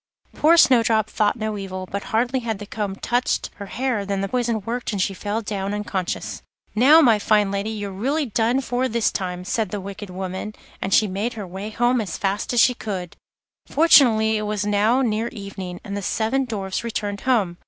Poor Snowdrop thought no evil, but hardly had the comb touched her hair than the poison worked and she fell down unconscious. 'Now, my fine lady, you're really done for this time,' said the wicked woman, and she made her way home as fast as she could. Fortunately it was now near evening, and the seven Dwarfs returned home.